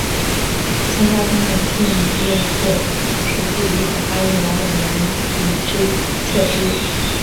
乡札中的训读字实际如何发音往往难以确知。